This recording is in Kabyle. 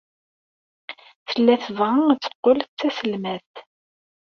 Tella tebɣa ad teqqel d taselmadt.